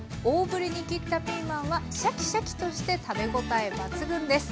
大ぶりに切ったピーマンはシャキシャキとして食べ応え抜群です。